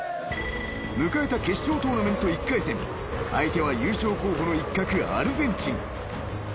［迎えた決勝トーナメント１回戦相手は優勝候補の一角アルゼンチン］